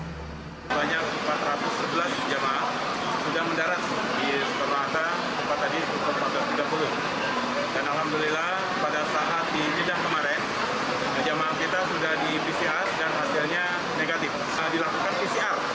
sebanyak empat ratus sebelas jemaah sudah mendarat di udara sekonohata